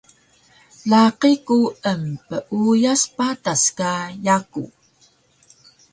Laqi ku empeuyas patas ka yaku